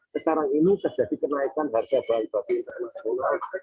sekarang ini terjadi kenaikan harga bahan baku internasional